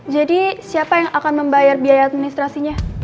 jadi siapa yang akan membayar biaya administrasinya